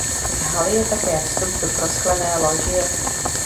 Z haly je také vstup do prosklené lodžie.